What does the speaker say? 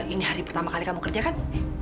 ini hari pertama kali kamu kerja kan